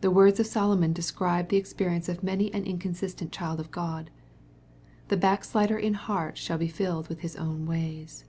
The words of Solomon describe the experience of many an inconsistent child of God, " The backslider in heart shall be filled with his own ways."